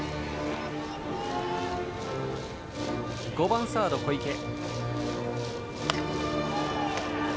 ５番サード、小池。